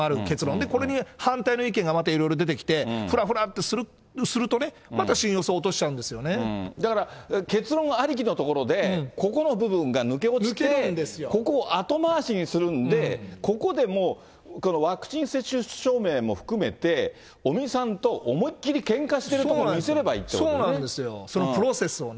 で、これに反対の意見がまたいろいろ出てきて、ふらふらっとするとね、また信用性落としちゃうんだから結論ありきのところで、ここの部分が抜け落ちて、ここを後回しにするんで、ここでもう、ワクチン接種証明も含めて、尾身さんと思いっ切りけんかしてるところを見せればいいってことそのプロセスをね。